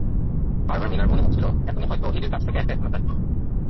বারবার মিনার মনে হচ্ছিল, এখনই হয়তো এডির কাছ থেকে একটা এসএমএস আসবে।